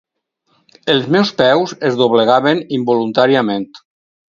Els meus peus es doblegaven involuntàriament.